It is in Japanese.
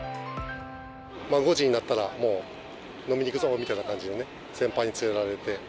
５時になったらもう飲みに行くぞみたいな感じでね、先輩に連れられて。